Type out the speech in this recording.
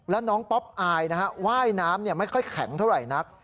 แล้วน้องป๊อปอายนะฮะว่ายน้ำไม่ค่อยแข็งเท่าไหร่นัก